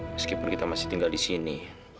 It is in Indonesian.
meskipun kita masih tinggal di sini